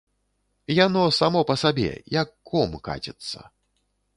Яно само па сабе, як ком каціцца.